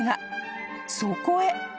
［そこへ］